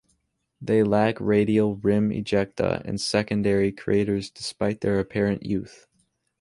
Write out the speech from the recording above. They lack radial rim ejecta and secondary craters despite their apparent youth.